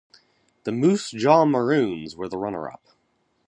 The Moose Jaw Maroons were the runner-up.